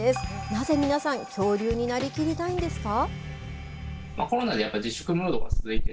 なぜ、皆さん、恐竜になりきりたいんですか？